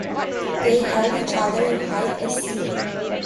They held each other in high esteem.